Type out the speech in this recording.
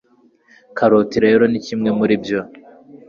karoti rero ni kimwe muri byo.